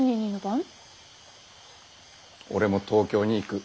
俺も東京に行く。